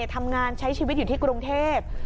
ทำงานใช้ชีวิตอยู่ที่กรุงเทพฯ